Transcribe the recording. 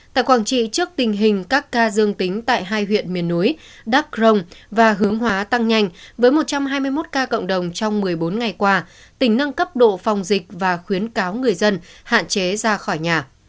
tại quảng trị trước tình hình các ca dương tính tại hai huyện miền núi đắk rồng và hướng hóa tăng nhanh với một trăm hai mươi một ca cộng đồng trong một mươi bốn ngày qua tỉnh nâng cấp độ phòng dịch và khuyến cáo người dân hạn chế ra khỏi nhà